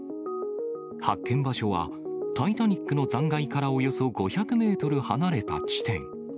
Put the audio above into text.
発見場所はタイタニックの残骸からおよそ５００メートル離れた地点。